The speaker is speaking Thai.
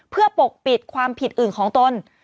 เพื่อปกปิดความผิดอื่นของตน